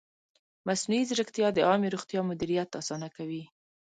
مصنوعي ځیرکتیا د عامې روغتیا مدیریت اسانه کوي.